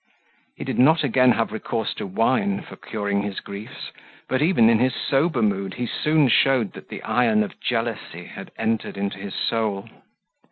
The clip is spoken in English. He did not again have recourse to wine for curing his griefs, but even in his sober mood he soon showed that the iron of jealousy had entered into his soul.